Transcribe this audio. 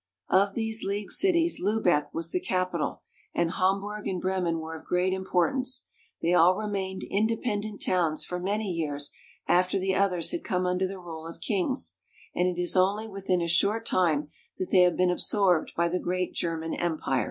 Of these League cities Lubeck was the capital, and Hamburg and Bremen were of great importance ; they all remained independent towns for many years after the others had come under the rule of kings, and it is only within a short time that they have been absorbed by the great German Empire.